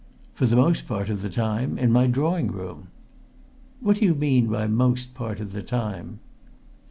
"For the most part of the time, in my drawing room." "What do you mean by most part of the time?"